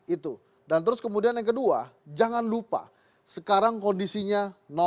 itu dan terus kemudian yang kedua jangan lupa sekarang kondisinya